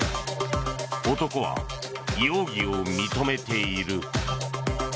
男は容疑を認めている。